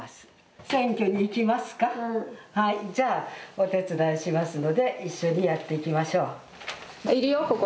お手伝いしますので一緒にやっていきましょう。